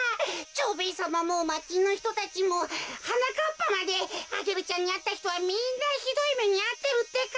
蝶兵衛さまもまちのひとたちもはなかっぱまでアゲルちゃんにあったひとはみんなひどいめにあってるってか。